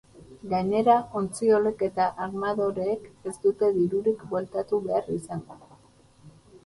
Gainera, ontziolek eta armadoreek ez dute dirurik bueltatu behar izango.